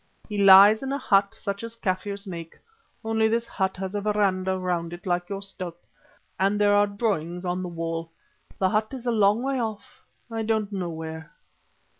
He lies in a hut such as Kaffirs make, only this hut has a verandah round it like your stoep, and there are drawings on the wall. The hut is a long way off, I don't know where."